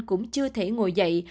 cũng chưa thể ngồi dậy